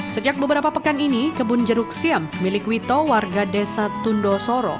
sejak beberapa pekan ini kebun jeruk siam milik wito warga desa tundo soro